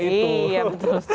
iya betul sekali